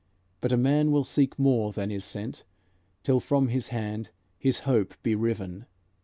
But a man will seek more than is sent, Till from his hand his hope be riven.